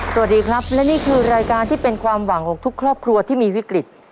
สวัสดีครับและนี่คือรายการที่เป็นความหวังของทุกครอบครัวที่มีวิกฤต